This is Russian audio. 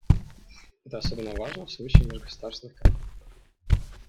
Это особенно важно в случае межгосударственных конфликтов.